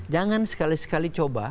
jangan sekali sekali coba